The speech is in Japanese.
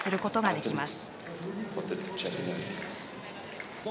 いきます！